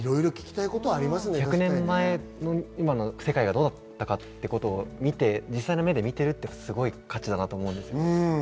１００年前の今の世界がどうだったかということを見ているのが、すごい価値だなと思います。